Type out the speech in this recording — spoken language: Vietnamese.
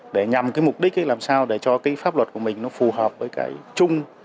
để nhằm cái mục đích làm sao để cho cái pháp luật của mình nó phù hợp với cái chung